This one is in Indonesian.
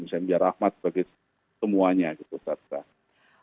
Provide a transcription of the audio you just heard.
bisa menjadi rahmat bagi semuanya gitu ustaz ustaz